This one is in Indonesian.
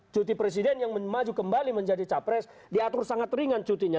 cuti presiden yang maju kembali menjadi capres diatur sangat ringan cutinya